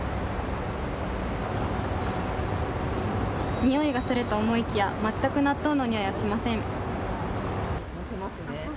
においがすると思いきや全く納豆のにおいはしません。